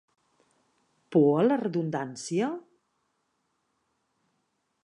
Por a la redundància?